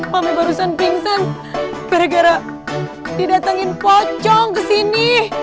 mami barusan pingsan gara gara didatengin pocong kesini